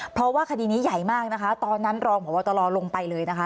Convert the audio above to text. เพราะว่าคดีนี้ใหญ่มากนะคะตอนนั้นรองพบตรลงไปเลยนะคะ